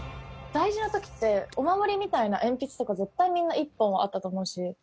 大事な時ってお守りみたいな鉛筆とか絶対みんな一本はあったと思うし。